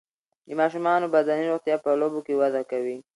د ماشومانو بدني روغتیا په لوبو کې وده کوي.